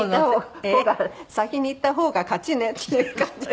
先に逝った方が勝ちねっていう感じなんですけど。